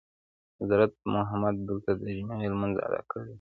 حضرت محمد دلته دجمعې لمونځ ادا کړی وو.